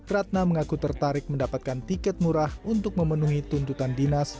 ratna mengaku tertarik mendapatkan tiket murah untuk memenuhi tuntutan dinas